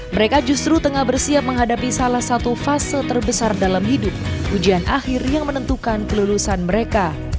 mereka justru tengah bersiap menghadapi salah satu fase terbesar dalam hidup ujian akhir yang menentukan kelulusan mereka